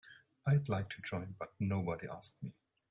I'd like to join but nobody asked me.